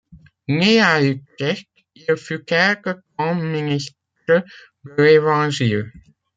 Né à Utrecht, il fut quelque temps ministre de l'Évangile.